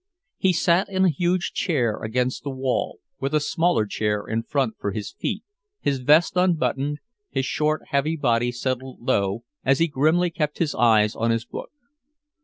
He sat in a huge chair against the wall, with a smaller chair in front for his feet, his vest unbuttoned, his short heavy body settled low as he grimly kept his eyes on his book.